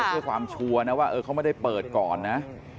เพื่อความชัวร์นะว่าเขาไม่ได้เปิดก่อนนะ